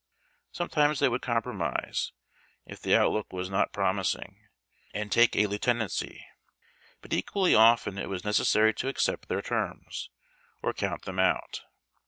Sometimes they would compromise, if the outlook was not promising, and take a lieutenanc}^ but equally often it was necessary to accept their terms, or count them out.